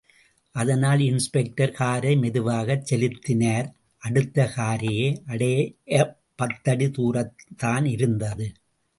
அதனால் இன்ஸ்பெக்டர் காரை மெதுவாகச் செலுத்தினார் அடுத்த கரையை அடையப் பத்தடி தூரத்தான் இருந்தது.